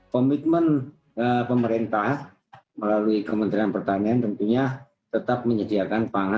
komitmen pemerintah melalui kementerian pertanian tentunya tetap menyediakan pangan